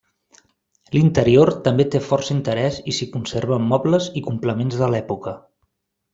L'interior també té força interès i s'hi conserven mobles i complements de l'època.